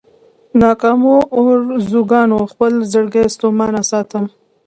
ناکامو ارزوګانو خپل زړګی ستومانه ساتم.